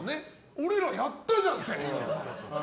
俺らやったじゃん！って。